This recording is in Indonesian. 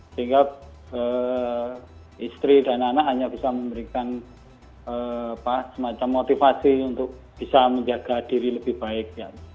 sehingga istri dan anak hanya bisa memberikan semacam motivasi untuk bisa menjaga diri lebih baik